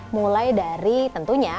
mulai dari tentunya